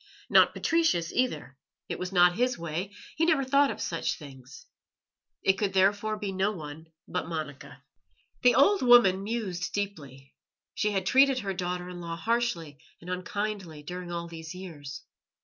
Not Patricius, either; it was not his way, he never thought of such things. It could therefore be no one but Monica. The old woman mused deeply. She had treated her daughter in law harshly and unkindly during all these years.